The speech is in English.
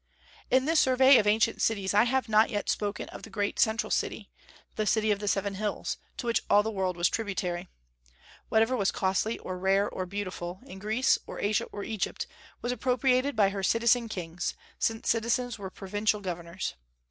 In this survey of ancient cities I have not yet spoken of the great central city, the City of the Seven Hills, to which all the world was tributary. Whatever was costly or rare or beautiful, in Greece or Asia or Egypt, was appropriated by her citizen kings, since citizens were provincial governors.